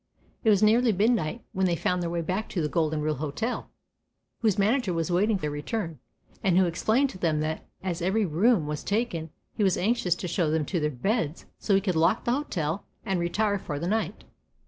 It was nearly midnight when they found their way back to the "Golden Rule Hotel", whose manager was waiting their return, and who explained to them that as every "room" was taken he was anxious to show them to their "beds", so he could lock the hotel and retire for the night.